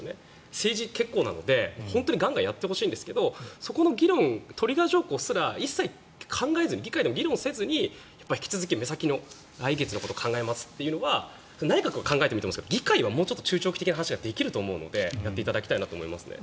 政治は結構なので本当にガンガンやってほしいんですけどそこの議論トリガー条項ですら一切考えずに議会で議論せずに引き続き目先の来月のことを考えますというのは内閣が考えてもいいですけど議会はもうちょっと中長期的な話はできると思いますのでやっていただきたいなと思います。